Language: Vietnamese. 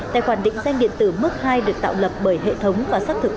tài khoản định danh điện tử mức hai được tạo lập bởi hệ thống và xác thực